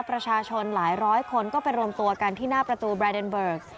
ประชาชนหลายร้อยคนก็ไปรวมตัวกันที่หน้าประตูแบรนเดนเบิร์ก